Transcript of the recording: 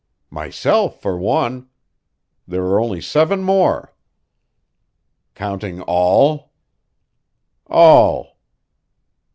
"Myself, for one. There are only seven more." "Counting all?" "All."